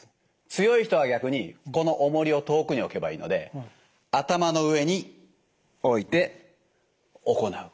強い人は逆にこのおもりを遠くに置けばいいので頭の上に置いて行う。